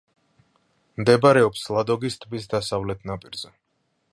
მდებარეობს ლადოგის ტბის დასავლეთ ნაპირზე.